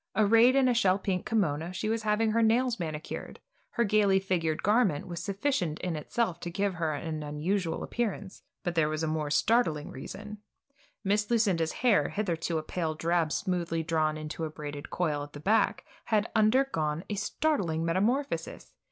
Arrayed in a shell pink kimono, she was having her nails manicured. Her gaily figured garment was sufficient in itself to give her an unusual appearance; but there was a more startling reason. Miss Lucinda's hair, hitherto a pale drab smoothly drawn into a braided coil at the back, had undergone a startling metamorphosis.